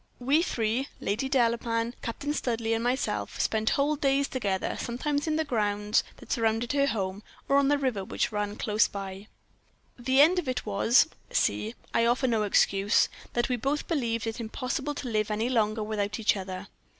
We three, Lady Delapain, Captain Studleigh, and myself, spent whole days together, sometimes in the grounds that surrounded her home, or on the river which ran close by. "The end of it was see, I offer no excuse that we both believed it impossible to live any longer without each other.